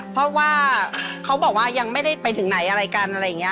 เพราะว่าเขาบอกว่ายังไม่ได้ไปถึงไหนอะไรกันอะไรอย่างนี้